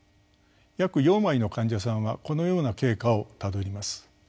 約４割の患者さんはこのような経過をたどります。